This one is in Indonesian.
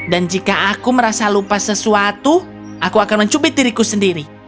dan jika aku merasa lupa sesuatu aku akan mencubit diriku sendiri